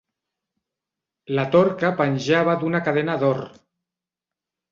La torca penjava d'una cadena d'or.